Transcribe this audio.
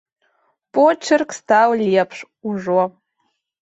Почырк стаў лепшы ўжо.